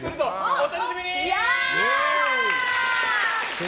お楽しみに！